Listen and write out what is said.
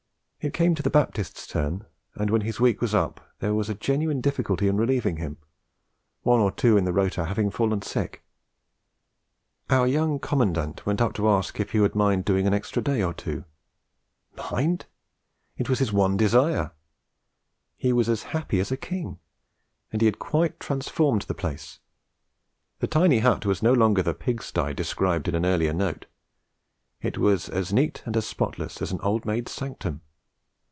It came to the Baptist's turn, and when his week was up there was a genuine difficulty in relieving him, one or two on the rota having fallen sick. Our young commandant went up to ask if he would mind doing an extra day or two. Mind! It was his one desire; he was as happy as a king and he had quite transformed the place. The tiny hut was no longer the pig sty described in an earlier note; it was as neat and spotless as an old maid's sanctum.